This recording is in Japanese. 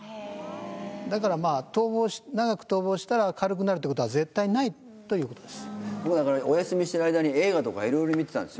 だから長く逃亡したら軽くなるということは絶対ないということです。